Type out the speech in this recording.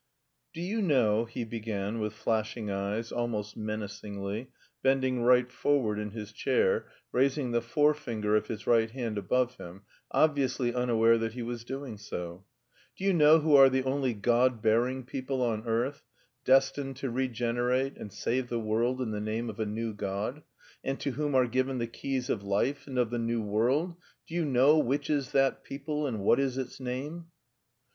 VII "Do you know," he began, with flashing eyes, almost menacingly, bending right forward in his chair, raising the forefinger of his right hand above him (obviously unaware that he was doing so), "do you know who are the only 'god bearing' people on earth, destined to regenerate and save the world in the name of a new God, and to whom are given the keys of life and of the new world... Do you know which is that people and what is its name?"